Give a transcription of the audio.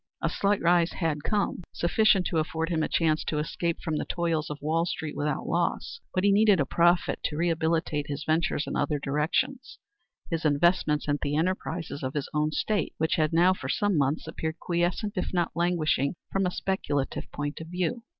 A slight rise had come, sufficient to afford him a chance to escape from the toils of Wall street without loss. But he needed a profit to rehabilitate his ventures in other directions his investments in the enterprises of his own state, which had now for some months appeared quiescent, if not languishing, from a speculative point of view.